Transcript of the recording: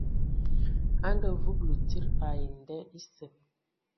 A ngaavúbulu tsid ai nda esǝ.